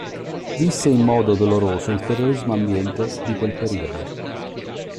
Visse in modo doloroso il terrorismo ambiente di quel periodo.